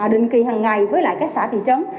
định kỳ hàng ngày với lại các xã thị trấn